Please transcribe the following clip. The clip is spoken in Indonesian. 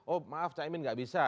oh maaf cak imin tidak bisa